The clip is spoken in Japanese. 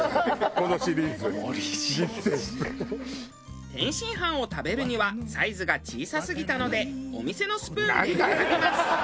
このシリーズ」天津飯を食べるにはサイズが小さすぎたのでお店のスプーンでいただきます。